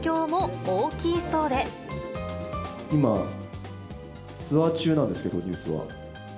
今、ツアー中なんですけど、ＮＥＷＳは。